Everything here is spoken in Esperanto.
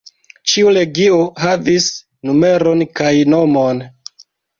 Ĉiu legio havis numeron kaj nomon.